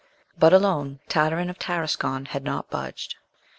But, alone, Tartarin of Tarascon had not budged.